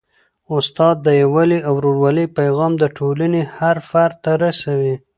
استاد د یووالي او ورورولۍ پیغام د ټولني هر فرد ته رسوي.